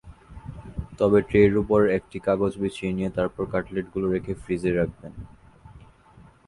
তবে ট্রের ওপর একটি কাগজ বিছিয়ে নিয়ে তারপর কাটলেটগুলো রেখে ফ্রিজে রাখবেন।